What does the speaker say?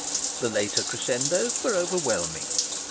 The later crescendoes were overwhelming.